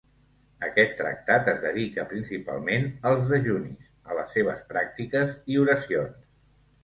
Aquest tractat es dedica principalment als dejunis, a les seves pràctiques i oracions.